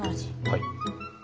はい。